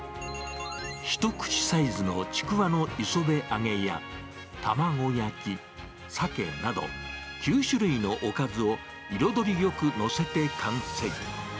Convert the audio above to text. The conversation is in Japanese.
一口サイズのちくわのいそべ揚げや、卵焼き、サケなど、９種類のおかずを彩りよく載せて完成。